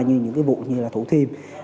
như những cái vụ như là thủ thiêm